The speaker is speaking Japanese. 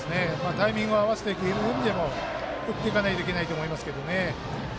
タイミングを合わせていくという意味でも振っていかないといけないと思いますけどね。